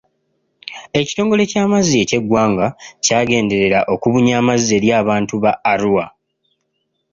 Ekitongole ky'amazzi eky'eggwanga kyagenderera okubunya amazzi eri abantu ba Arua.